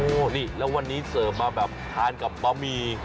โอ้โหนี่แล้ววันนี้เสิร์ฟมาแบบทานกับบะหมี่